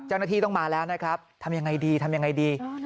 เจ้าหน้าที่ต้องมาแล้วนะครับทำยังไงดีทำยังไงดี